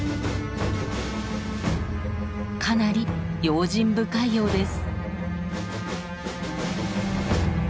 かなり用心深いようです。